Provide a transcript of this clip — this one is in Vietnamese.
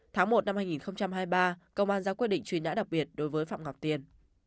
tháng một năm hai nghìn hai mươi ba công an ra quyết định truy nã đặc biệt đối với phạm ngọc tiên